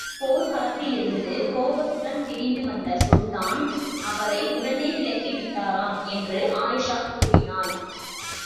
போர்க்களத்திலிருந்து கோபத்துடன் திரும்பி வந்த சுல்தான், அவரை உடனே விலக்கி விட்டாராம் என்று அயீஷா கூறினாள்.